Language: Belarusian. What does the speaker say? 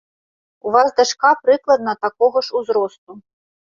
У вас дачка прыкладна такога ж узросту.